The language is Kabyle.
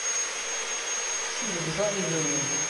Si lebda, i dayem.